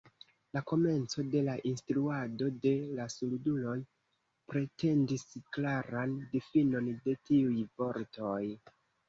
La komenco de la instruado de la surduloj pretendis klaran difinon de tiuj vortoj.